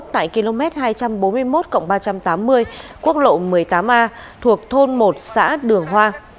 tại km hai trăm bốn mươi một ba trăm tám mươi quốc lộ một mươi tám a thuộc thôn một xã đường hoa